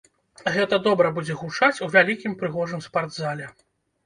Гэта добра будзе гучаць у вялікім прыгожым спартзале.